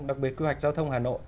đặc biệt quy hoạch giao thông hà nội